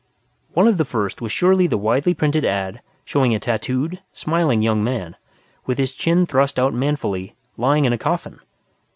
One of the first was surely the widely printed one showing a tattooed, smiling young man with his chin thrust out manfully, lying in a coffin.